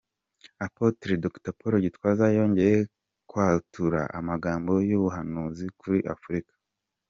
Apôtre Dr Paul Gitwaza yongeye kwatura amagambo y’ubuhanuzi kuri Afurika.